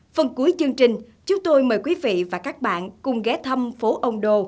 phần cuối chương trình chúng tôi mời quý vị và các bạn cùng ghé thăm phố ông đồ